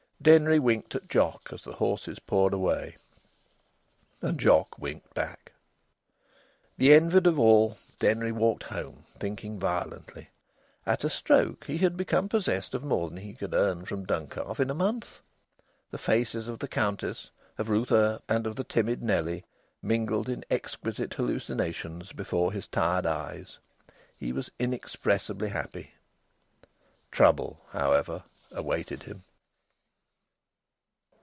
Denry winked at Jock as the horses pawed away. And Jock winked back. The envied of all, Denry walked home, thinking violently. At a stroke he had become possessed of more than he could earn from Duncalf in a month. The faces of the Countess, of Ruth Earp, and of the timid Nellie mingled in exquisite hallucinations before his tired eyes. He was inexpressibly happy. Trouble, however, awaited him.